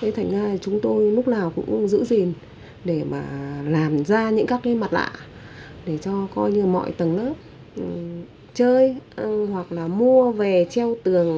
thế thành ra chúng tôi lúc nào cũng giữ gìn để mà làm ra những các cái mặt lạ để cho coi như mọi tầng lớp chơi hoặc là mua về treo tường